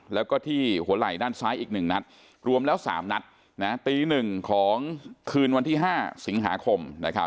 แล้วก็ที่หัวไหล่ด้านซ้ายอีก๑นัดรวมแล้ว๓นัดตี๑ของคืนวันที่๕สิงหาคม